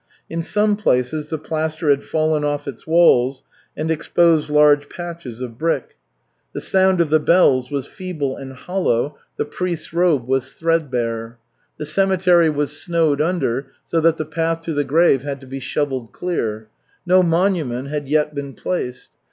In some places the plaster had fallen off its walls and exposed large patches of brick. The sound of the bells was feeble and hollow, the priest's robe was threadbare. The cemetery was snowed under, so that the path to the grave had to be shovelled clear. No monument had yet been placed.